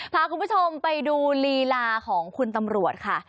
พาคุณผู้ชมไปดูลีลาของคุณตำรวจค่ะ